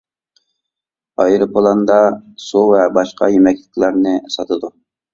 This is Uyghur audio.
ئايروپىلاندا سۇ ۋە باشقا يېمەكلىكلەرنى ساتىدۇ.